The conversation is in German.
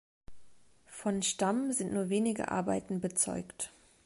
Von Stamm sind nur wenige Arbeiten bezeugt.